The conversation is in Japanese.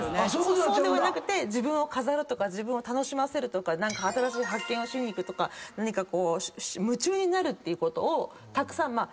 そうではなくて自分を飾るとか自分を楽しませるとか何か新しい発見をしに行くとか何か夢中になるっていうことをたくさん。